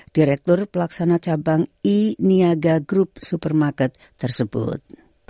direktur pelaksana cabang i niaga group supermarket tersebut